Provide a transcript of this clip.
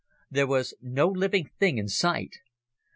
There was no living thing in sight.